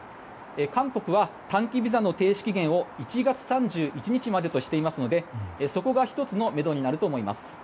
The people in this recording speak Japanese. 韓国は短期ビザの停止期限を１月３１日までとしていますのでそこが１つのめどになると思います。